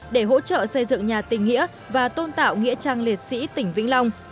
để hỗ trợ xây dựng nhà tình nghĩa và tôn tạo nghĩa trang liệt sĩ tỉnh vĩnh long